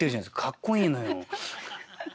かっこいいのよ。